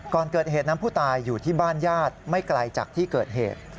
ก่อนเกิดเหตุนั้นผู้ตายอยู่ที่บ้านญาติไม่ไกลจากที่เกิดเหตุ